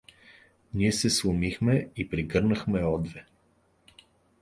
Ние се сломихме и прегънахме одве.